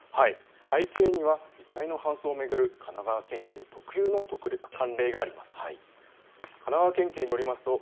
背景には遺体の搬送を巡る神奈川県警特有の慣例があります。